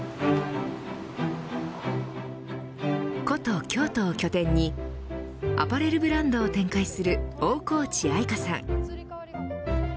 古都、京都を拠点にアパレルブランドを展開する大河内愛加さん。